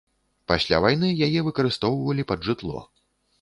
Пасля вайны яе выкарыстоўвалі пад жытло.